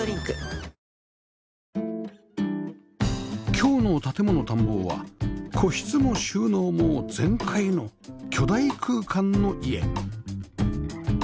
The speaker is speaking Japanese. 今日の『建もの探訪』は個室も収納も全開の巨大空間の家